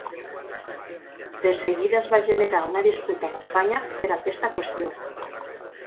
De seguida es va generar una disputa amb Espanya per aquesta qüestió.